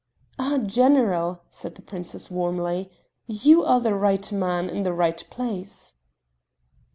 "Ah, General!" said the princess warmly, "you are the right man in the right place."